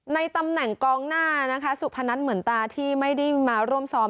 ในตำแหน่งกองหน้านะคะสุพนัทเหมือนตาที่ไม่ได้มาร่วมซ้อม